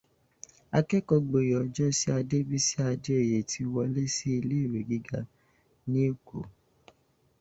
Akẹ́kọ̀ọ́-gboyè ojósí, Adébísí Adéoyè tí wọlé sí iléèwé gígá ní Èkó.